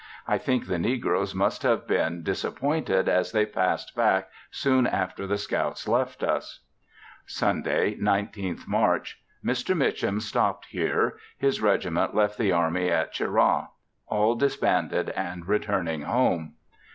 I think the negroes must have been disappointed as they passed back soon after the scouts left us. Sunday, 19th March. Mr. Mitchum stopped here; his regiment left the army at Cheraw; all disbanded and returning home.